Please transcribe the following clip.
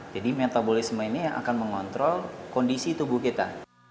jadi metabolisme ini yang akan mengontrol kondisi tubuh kita